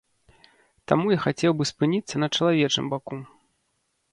Таму я хацеў бы спыніцца на чалавечым баку.